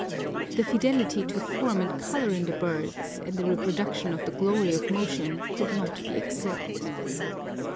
The fidelity to form and colour in the birds, and the reproduction of the glory of motion, could not be excelled.